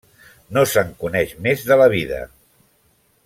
No se'n coneix més de la vida.